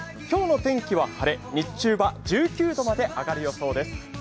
今日の天気は晴れ、日中は１９度まで上がる予想です。